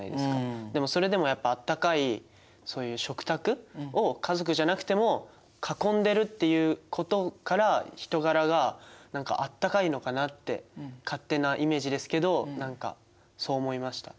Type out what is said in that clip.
でもそれでもやっぱあったかいそういう食卓を家族じゃなくても囲んでるっていうことから人柄が何かあったかいのかなって勝手なイメージですけど何かそう思いました。